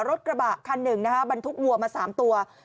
รถกระบะคันหนึ่งนะฮะบรรทุกวัวมา๓ตัว